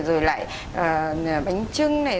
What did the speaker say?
rồi lại bánh trưng này